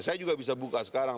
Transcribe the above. saya juga bisa buka sekarang